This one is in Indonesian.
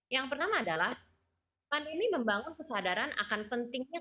yang pertama adalah pandemi membangun kesadaran akan pentingnya